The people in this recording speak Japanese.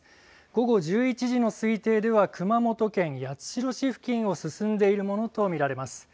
午後１１時の推定では熊本県八代市付近を進んでいるものと見られます。